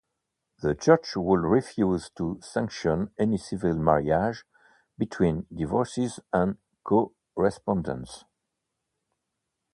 The Church would refuse to sanction any civil marriage between divorcees and co-respondents.